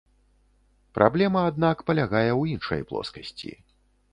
Праблема, аднак, палягае ў іншай плоскасці.